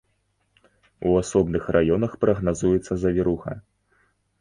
У асобных раёнах прагназуецца завіруха.